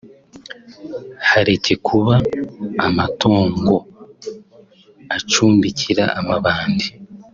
hareke kuba amatongo acumbikira amabandi